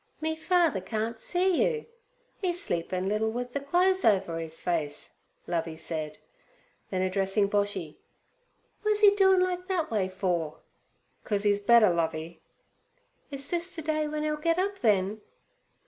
'Me father can't see you. 'E's sleepin' little with the clothes over his face,' Lovey said. Then addressing Boshy: 'W'a's 'e doin' like that way for?' "Cos 'e's better, Lovey.' 'Is this the day w'en 'e'll get up, then?'